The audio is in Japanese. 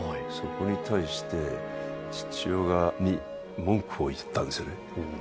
そこに対して、父親に文句を言ったんですよね。